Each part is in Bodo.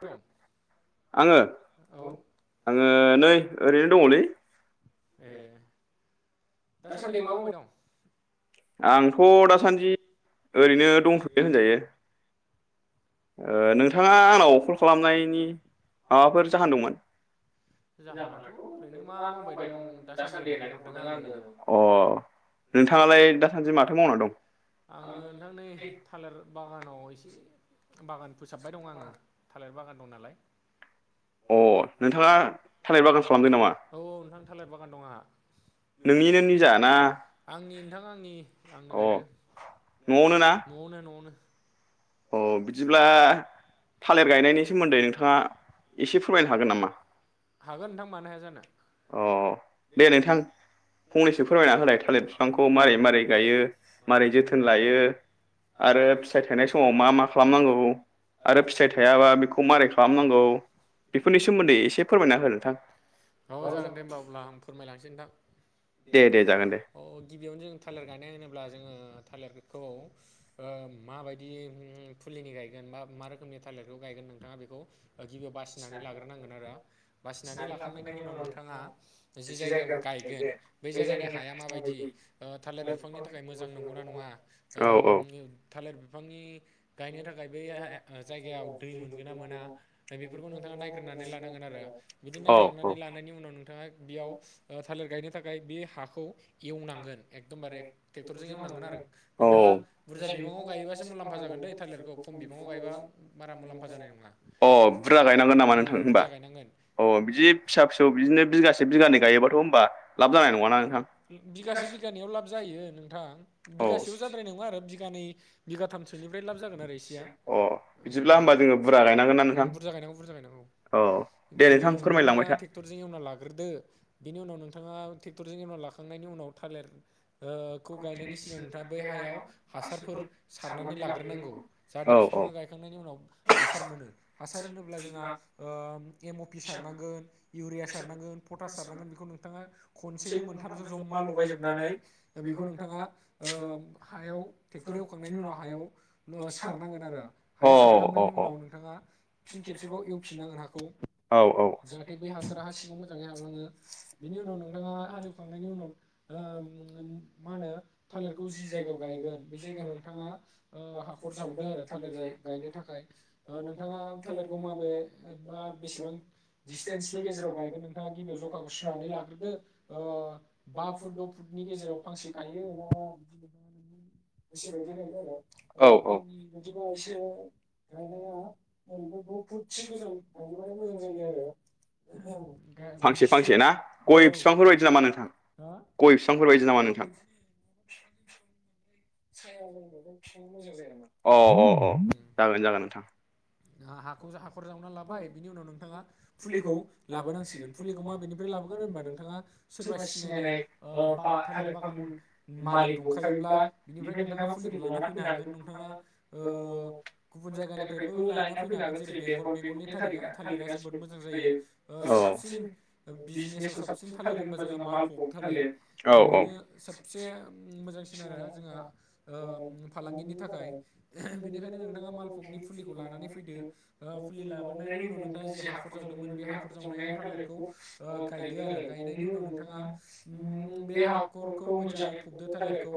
दं आङो औ आङो नै ओरैनो दङलै ए दासान्दि मा मावबाय दं? आंथ' दासान्दि ओरैनो दंथ'यो होनजायो ओ नोंथाङा आंनाव कल खालामनायनि माबाफोर जाहोन दंमोन [unintelligible] जाहोनाथ' ओरैनो मा मावबाय दं दासान्दि होननानै अ नोंथांङालाय दासान्दि माथो मावना दं? आङो नोंथां नै थालिर बागानाव एसे बागान फोसाबबाय दं आङो थालिर बागान दं नालाय अ नोंथाङा थालिर बागान खालामदों नामा? औ नोंथां थालिर बागान दं आंहा नोंनिनो निजा ना? आंनि नोंथां आंनि आंनो अ गायदों न'आवनो ना न'आवनो न'आवनो अ बिदिब्ला थालिर गायनायनि सोमोन्दै नोंथाङा एसे फोरमायनो हागोन नामा? हागोन नोंथां मानो हाया जानो। अ दे नोंथां फंनैसो फोरमायना होलाय थालिर बिफांखौ मारै मारै गायो मारै जोथोन लायो। आरो फिथाइ थाइनाय सम मा मा खालामनांगौ आरो फिथाइ थाइयाबा बेखौ मारै खालामनांगौ। बेफोरनि सोमोन्दै एसे फोरमायना हो नोंथां। औ दे दे जागोन दे ओ गिबियावनो जों थालिर गाय होनोब्ला जोङो थालिर थालिरखौ ओ माबायदि फुलिनि गायगोन बा मा रोखोमनि थालिरखौ गायगोन नोंथां बेखौ गिबियाव बाय बासिनानै लाग्रोनांगोन आरो बासिनानै लाखांनायनि उनाव नोंथाङा जि जायगायाव गायगोन बे जायगानि हाया माबायदि थालिर बिफांनि थाखाय मोजां नंगौना नङा ओ औ थालिर बिफांनि गायनो थाखाय बै जायगायाव दै मोनगोना मोना बेफोरखौ नोंथाङा नाय्रनानै लांगोन आरो बिदि औ नायखांनानै औ लानायनि उनाव नोंथाङा बियाव ओ थालिर गायनो थाखाय बे हाखौ एवनांगोन एकदमबारे ट्रेक्टरजों एवनांगोन आरो औ नोंथाङा बुरजा बिबाङाव गायोबासो मुलामफा [unintelligible] थालिरखौ खम बिबांङाव गायबा मारा मुलाम्फा जानाय नङा अ बुरजा गायनांगोन नामा नोंथां उम होनोमबा? बुरजा गायनांगोन अ बिदि फिसा फिसौ बिदिनो बिगासे बिगानै गायोबाथ' होमबा लाब जानाय नङाना नोंथां? बिगासे बिगानैयाव लाब जायो नोंथां औ बिगासेयाव जाद्राय नङा आरो बिगानै बिगाथामसोनि अ बिदिब्ला होमबा जोङो बुरजा गायनांगोन ना उम नोंथां? बुरजा गायनांगौ बुरजा गायनांगौ औ दे गिबियाव नोंथां नोंथाङा फोरमायलांबाय था ट्रेक्टरजों एवना लाग्रोदो बेनि उनाव नोंथाङा ट्रेक्टरजों ऐउना लाखांनायनि उनाव थालेर ओ खौ गायनायनि सिगां नोंथांङा बै हायाव हासारफोर सारनानै लाग्रोनांगौ औ जाहाथे बिफां बिफांङा गायखांनायनि उनाव हासार मोनो हासार होनोब्ला जोंहा ओ एम अपि सारनांगोन इउरिया सारनांगोन पटास सारनांगोन बेखौ नोंथाङा खनसेनो मोनथामजों जमा लगायजोबनानै दा बेखौ नोंथाङा औ हायाव सारखांनायनि औ उनाव नोंथाङा फिन खेबसेबाव एवफिननांगोन हाखौ औ जाहाथे बै हासारा हा सिङाव मोजाङै हाबलाङो बिनि औ उनाव नोंथाङा हालेवखांनायनि उनाव ओ [unintelligible] [unintelligible] मा होनो थालिरखौ जि जायगायाव गायगोन बे जायगायाव नोंथाङा ओ हाखर जावदो आरो थालिर जाय गायनो थाखाय दिडसटेन्सनि गेजेराव गायगोन नोंथाङा गिबियाव जखाखौ सुनानै लाग्रोदो ओ बा फुट द' फुट नि गेजेराव फांसे गायो [unintelligible] गायदो आरो ओ औ औ आंनि बायदिबा एसे गायनाया ओरैनो द' फुटसो गोजान गायोबाथाय मोजां जायो आरो गा [unintelligible] फांसे बिदि फांसे सुनाय ना औ गय औ बिफांफोरबायायदि नामा नोंथां हा ग बिफां बेफोरबायदि नामा नोंथां अ अ अ जागोन जागोन नोंथां हा हाखौ हाखर जावना लाबाय बिनि उनाव नोंथाङा फुलिखौ लाबोनांसिगोन फुलिखौ मा बेनिफ्राय ला नोंथाङा सोरबा सिनायनाय ओ बा थालिर बागान मालिक दंखायोब्ला बिनिफ्राय नोंथांआ फुलिखौ लायना फैनो हागोन नोंथांआ ओ गुबुन जायगानिफ्रायबो ल फै बेनि आगोल जेरै बेंगल बेंगलनि थारिगा थालिरा जोबोर मोजां जायो ओ औ औ साबसिन बिजनेस साबसिन थालिर होनबा जोंहा मालफक थालेर बिनो सबसे मोजांसिन आरो जों दा ओ फालांगिनि थाखाय बेनिखायनो नोंथाङा मालभकनि फुलिखौ लानानै ओ फुलि लाबोनायनि उनाव नोंथाङा जि हाखर जावदोंमोन बे हाखर जावनायाव थालिरखौ ओ गाइ बिदि आरो गायनायनि उनाव नोंथाङा उम बे हाखरखौ मोजाङै फबदो थालिरखौ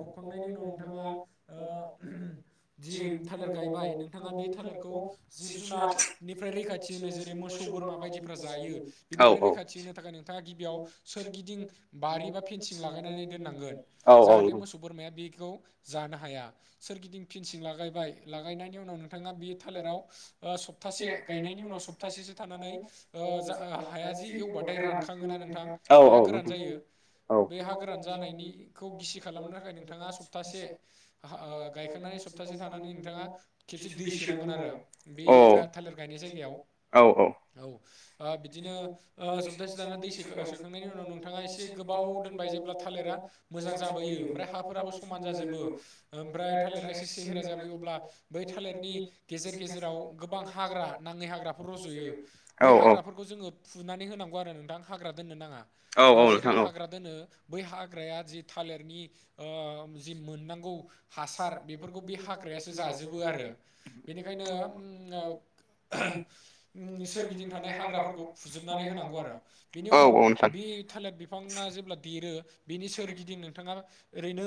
फबखांनायनि उनाव जिब जुनारनिफ्राइ रैखाथि होनो जेरै मोसौ बोरमा बायदिफ्रा जायो औ बिनिफ्राय औ रैखाथि हो बेनि थाखाय नोंथाङा गिबियाव सोरगिदिं बारि बा फेनसिं लागायनानै दोननांगोन औ जाहाथे मोसौफोर बोरमाया बेखौ जानो हाया सोरगिदिं पेनसिं लागायबाय लागायनायनि उनाव नोंथांआ बे थालिरेराव ओ सप्तासे गायनायनि उनाव सप्तासेसो थानानै ओ जा हाया जि एवबाइ नाथाय रानखाङोना नोंथां औ नोंथां औ हाया औ गोरान नोंथां जायो औ बे हा गोरान जानायनिखौ गिसि खालामनो थाखाय नोंथाङा सप्तासे अहो गायखांनानै सप्तासे थानानै नोंथाङा खेबसे दै सो औ जायगायाव औ औ औ ओ बिदिनो सप्तासे थाना दै सोखांनायनि उनाव नोंथाङा एसे गोबाव दोनबाय जेब्रा थालिरा मोजां जाबोयो ओफ्राय हाफोराबो सम जाजोबो ओमफ्राय थालिरा एसेे सेहेरा जा जाबोयो अब्ला बै थालिरनि गेजेर गेजेराव गोबां हाग्रा नाङै हाग्राफोर रज'यो बै हाग्राफोरखौ जोङो फुनानै होनांगौ नंगौ आरो नोंथां हाग्रा दोननो नाङा औ जेब्ला नोंथां हाग्रा दोनो बै हाग्राया जि थालिरनि ओम जि मोननांगौ हासार बेफोरखौ बे हाग्रायासो जाजोबो आरो बेनिखायनो उम ओ उम सोरगिदिं थानाय हाग्राफोरखौ फुजोबनानै होनांगौ आरो बेनि उनाव बि बि थालिर बिफाङा जेब्ला देरो बेनि सोरगिदिं नोंथाङा ओरैनो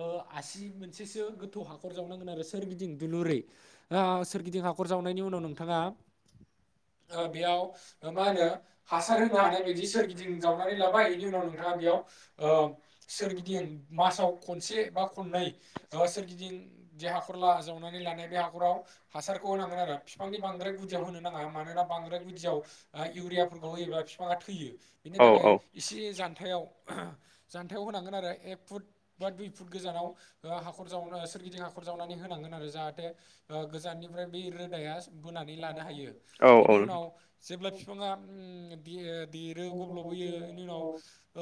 ओ आसि मोनसेसो गोथौ हाखर जावनांगोन आरो सोरगिदिं जोलुरै ओ सोरगिदिं हाखर जावनायनि उनाव नोंथाङा ओ बेयाव ओ मा होनो हासार होनो हानाय बायदि सोरगिदिं जावनानै लाबाय बेनि उनाव नों ओ बेयाव ओ सोरगिदिं मासाव खनसे बा खननै ओ सोरगिदिं दि हाखर ला जा वनानै लानाय बे हाखराव हासारखौ होनांगोन आरो बिफांनि बांद्राय गुदियाव होनो नाङा मानोना बांद्राय गुदियाव ओ इउरियाफोरखौ होयोब्ला बिफाङा थैयो बिनि औ नोंथां औ थाखाय इसे जाथायाव जानथायाव बेखौ होनांगोन आरो ए फुट बा दुइ फुट गोजानाव ओ हाखर जावनो ओ सोरगिदिं हाखर जावनानै होनांगोन आरो जाहाथे ओ गोजाननिफ्राय बि रोदाया बोनानै लानो हायो बेनि औ उनाव जेब्ला बिफां उम बियो देरो गब्ल'बबोयो बेनि उनाव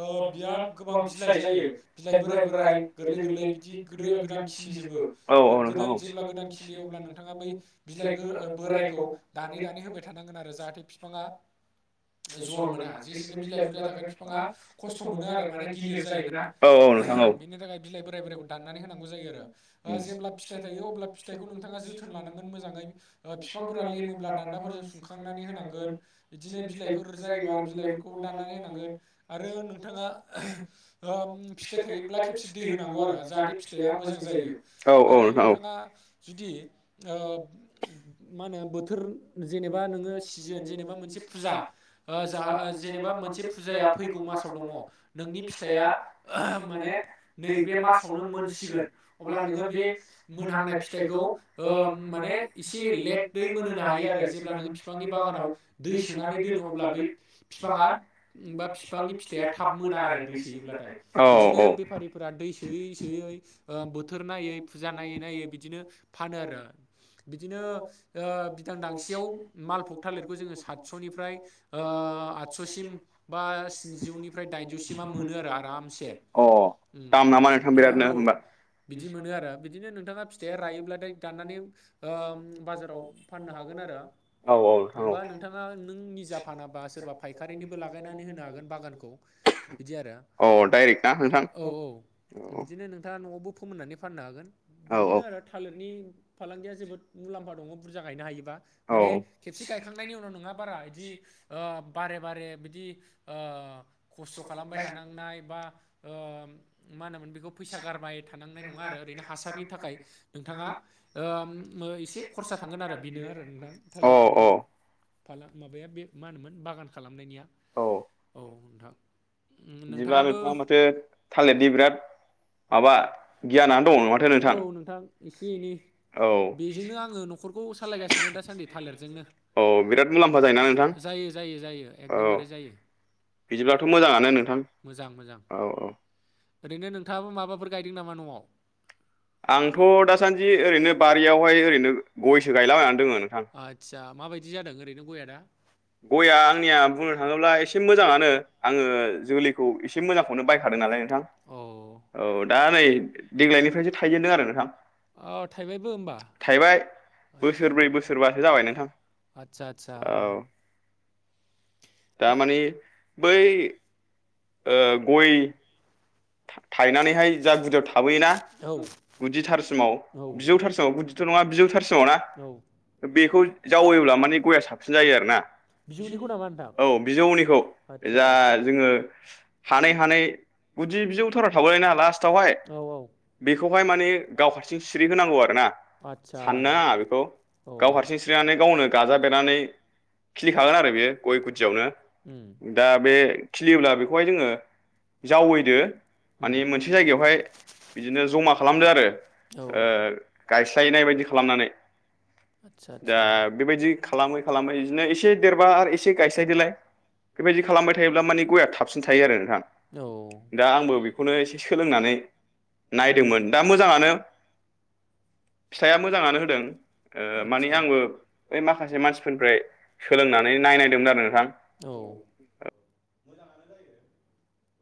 ओ बिराद गोबां बिलाइ जायो बिलाइ एसे बोराय बोराइ बोराय बोराइ गोरलै गोरलै बिदि जि गोदो गोलोयो गोदान गोरान खिलिजोबो सिरिजोबो औ औ गोदान नोंथां औ जेब्ला गोदान खिलियो अब्ला नोंथाङा बै बिलाइ बोरायखौ दानै दानै होबाय थानांगोन आरो जाहाथे बिफांआ बा जर मोना जेसेनो बिलाइ बुरजा थागोन बिफाङा खस्थ' मोनो आरो माने गिलिर जायोना औ ओहोम बिनि थाखाय बिलाइ बोराइ बोराइखौ दाननानै होनांगौ जायो आरो जेब्ला फिथाइ थायो अब्ला फिथाइखौ नोंथाङा जोथोन लानांगोन मोजाङै ओ बिफांफोरा लेमोब्ला दान्दाफोरजों सुंखांनानै होनांगोन बिदिनो बिलाइफोर जायोबा बिलाइफोरखौ दाननानै होनांगोन आरो नोंथाङा ओ ओम फिथाइ थायोब्ला खेबसे दै होनांगौ आरो जानो फिथाइया मोजां जायो औ औ आरो नोंथां औ नोंथाङा जुदि ओ मा होनो बोथोर जेनेबा नोङो सिजोन जेनेबा मोनसे फुजा जेनेबा मोनसे फुजाया फैगौ मासाव दङ नोंनि फिथाइया माने नैब मासावनो मोनसिगोन अब्ला नोङो बे मोनहांनायि थायखौ ओ माने एसे लेथदै मोनहोनो हायो आरो जेब्ला नोङो फिफांनि बागानआव दै दै सोनानै दोनो अब्ला बै बिफाङाा बिफांनि फिथाइया थाब मोना आरो दै सोयोब्लाथाय औ बिदिनो औ बेफारिफोरा दै सोयै सोयै बोथोर नायै फुजा नायै नायै बिदिनो फानो आरो बिदिनो बिदांदांसेयाव मालफग थालिरखौ जोङो सातस'निफ्राय ओ ओ आदस'सिम बा स्निौनिफ्राय दाइनजौसिमा मोनो आरो आरामसे अ दाम नामा नोंथां बिरादनो औ होमबा बिदि मोनो आरो बिदिनो नोंथाङा फिथाइया रायो। दाननानै ओ बाजारआव फनो होगोन आरो औ औ बा नोंथां नोंथाङा नों निजा फानाबा सोरबा फायखारिनिबो लागायनानै होनो हागोन बागानखौ बिदि आरो अ डाइरेक्ट ना नोंथां। औ औ औ बिदिनो नोंथाङा न'आवबो फोमोननानै फाननो हागोन औ बिदिनो आरो थालिरनि फालांगिया जोबोद मुलाम्फा दङ बुरजा गायनो हायोबा। माने औ खेबसे गायखांनायनि उनाव नङा बारा बिदि बारे बारे बिदि खस्थ' खालामबाय थानांनाय बा मा होनोमोन बेखौ फैसा गारबाय थानांनाय नङा आरो ओरैनो हासारनि थाखाय। नोंथाङा एसे खरसा थांगोन आरो बेनो आरो नोंथां औ थालिरनि फालां माबाया बे मा होनोमोन बागान खालामनायनिया औ औ नोंथां बिदिब्ला नोंथाङाबो नोंथां आं माथो थालिदनि बिराद माबा गियानानो दङ ना माथो नोंथां। एसे एनै औ बेजोंनो आङो न'खरखौ सालायगासिनो दासान्दि थालिरजोंनो औ बिराद मुलाम्फा जायोना नोंथां? जायो जायो जायो औ एकदमबारे जायो। बिदिब्लाथ' मोजाङानो नोंथां मोजां मोजां औ औ। ओरैनो नोंथाङाबो माबाफोर गायदों नामा न'आव? आंथ' दासान्दि ओरैनो बारियावहाय ओरैनो गयसो गायलाबायनानै दोङो। नोंथां आदसा माबायदि जादों ओरैनो गया दा? गया आंनिया बुंनो थाङोब्ला एसे मोजाङानो आङो जोलैखौ एसे मोजांखौनो बायखादों। नालाय नोंथां अ औ दा नै देग्लायनिफ्रायसो थायजेनदों आरो नोंथां। अ थाइबायबो होमबा थाइबाय आदसा बोसोरब्रै बोसोरबासो जाबाय नोंथां आदसा आदसा औ दामानि बै गय थायनानैहाय जा गुदियाव थाबोयोना औ गुदिथारसिमाव औ बिजौथारसिमाव गुदिथ' नङा बिजौथार थारसिमाव ना? औ बेखौ जावयैयोब्ला माने गया साबसिन जायो आरो ना बिजौनिखौ नामा नोंथां औ बिजौनिखौ आदसा जा जोङो हानै हानै गुदि बिजौ थाराव थाबायना लास्टावहाय औ औ बेखौहाय माने गाव हारसिं सिरि होनांगौ आरो ना आदसा साननाङा बेखौ औ गाव हारसिं स्रिनानै गावनो गाजा बेरनानै खिलिखागोन आरो बेयो गय गुदियावनो उम दा बे खिलियोब्ला बेखौहाय जोङो जावैदो उम मानि मोनसे जायगायावहाय बिदिनो जमा खालामदो आरो औ ओ गायस्लायनाय बायदि खालामनानै। आदसा दा आदसा बेबायदि खालामै खालामै बिदिनो एसे देरबा आरो एसे गायस्लायदोलाय। बेबायदि खालामबाय थायोब्ला माने गया थाबसिन थायो आरो नोंथां। औ दा आंबो बेखौनो एसे सोलोंनानै नायदोंमोन दा मोजाङानो। [inaudible] फिथाइआ मोजाङानो होदों मानि आदसा आंबो बै माखासे मानसिफोरनिफ्राय सोलोंनानै नाय नायनायदोंमोन आरो नोंथां। औ मोजाङानो जायो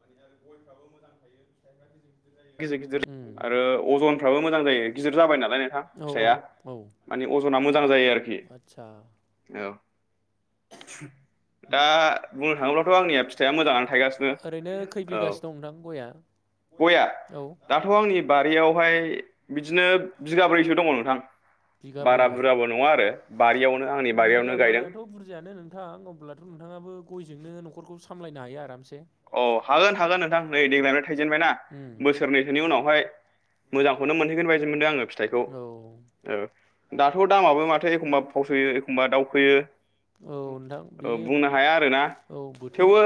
माने आरो गयफ्राबो मोजां थायो फिथाइफ्रा गिदि गिदिर गिदिर आरो अजनफ्राबो मोजां जायो गिदिर जाबाय नालाय। औ फिसाया औ माने अजना मोजां जायो आरोखि आदसा औ। [inaudible] दा बुंनो थाङोब्लाथ' आंनिया फिथाइआ मोजाङानो थायगासिनो। ओरैनो खै औ बिगासो दं नोंथां गया गया औ दाथ' आंनि बारियावहाय बिदिनो बिगाब्रैसो दङ नोंथां बारा बिगाब्रै बुरजाबो नङा आरो बारियावनो। आंनि बारियावनो गायदों बिगाब्रैयाथ' बुरजायानो नोंथां अब्लाथ' नोंथाङाबो गयजोंनो न'खरखौ सामलायनो हायो आरामसे। अ हागोन हागोन नोंथां नै देग्लाय थायजेनबायना उम बोसोरनैसोनि उनावहाय मोजांखौनो मोनहैगोन बायदि मोनदों आङो फिथाइखौ औ औ दाथ' दामाबो माथो एखमबा फावसोयो एखमबा दाउखोयो। औ नोंथां बेयो औ बोथोर थेवबो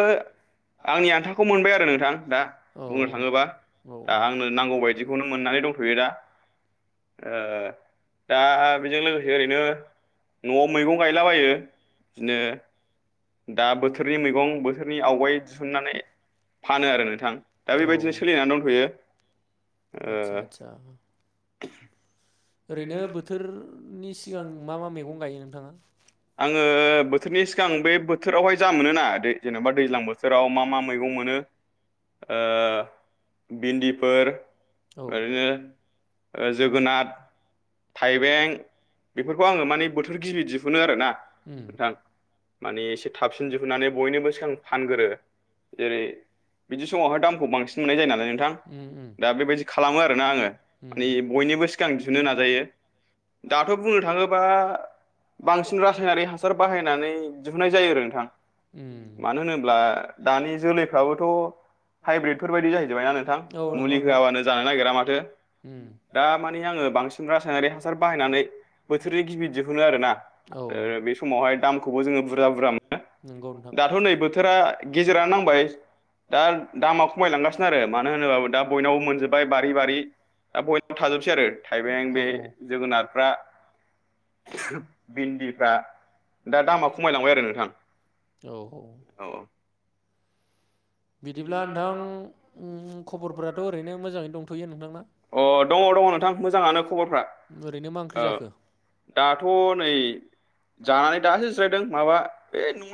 आंनि आन्थाखौ मोनबाय आरो नोंथां दा औ बुंनो थाङोबा औ दा आंनो नांगौ बायदिखौनो मोननानै दं थ'यो दा। ओ दा बेजों लोगोसे ओरैनो न'आव मैगं गायलाबायो बिदिनो दा बोथोरनि मैगं बोथोरनि आवगाय दिहुननानै फानो आरो नोंथां दा औ बेबायदिनो सोलिनानै दंथ'यो। आदसा ओ आदसा। ओरैनो बोथोरनि सिगां मा मा मैगं गायो नोंथाङा? आङो बोथोरनि सिगां बे बोथोरावहाय जा मोनोना दै जेनेबा दैज्लां बो थोराव मा मा मैगं मोनो ओ भिन्दिफोर औ ओरैनो ओ जोगोनाद थाइबें बेफोरखौ आङो माने बोथोर गिबि दिहुनो आरोना उम नोंथां। माने एसे थाबसिन दिहुननानै बयनोबो सिगां फानगोरो। जेरै बिदि समावहाय दामखौ बांसिन मोननाय जायो नालाय नोंथां उम दा बेबायदि खालामो आरोना आङो उम माने बय निबो सिगां दिहुननो नाजायो। दाथ' बुंनो थाङोबा बांसिन रासायनारि हासार बाहायनानै दिहुनो नोंथां उम मानो होनोब्ला दानि जोलैफ्राबोथ' उम हाइब्रिदफोर बायदि जाहैजोबबाय ना नोंथां औ नंगौ मुलि नोंथां होआबानो जानो नागिरा माथो। उम दा मानि आङो बांसिन रासायनारि हासार बाहायनानै बोथोरनि गिबि दिहुनो आरो ना। ओ औ बे समावहाय दामखौबो जोङो बुरजा बुरजा मोनो। नंगौ नोंथां दाथ' नै बोथोरा गेजेरानो नांबाय। दा दामा खमायलांगासिनो आरो मानो होनोबाबो दा बयनावबो मोनजोबबाय बारि बारि। दा बयनावबो थाजोबसै आरो थाइबें औ बे जोगोनारफ्रा भिन्दिफ्रा दा दामा खमायलांबाय आरो नोंथां। औ औ औ। बिदिब्ला नोंथां ओंम खबरफोराथ' ओरैनो मोजाङै दंथ'यो नोंथांना? अ दङ' दङ' नोंथां मोजाङानो खबरफ्रा। ओरैनो मा ओंख्रि ओ। जाखो? दाथ' नै जानानै दासो जिरायदों माबा ऐ